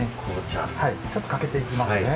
ちょっとかけていきますね。